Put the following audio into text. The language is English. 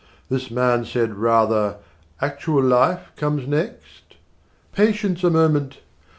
This man said rather, "Actual life comes next? Patience a moment!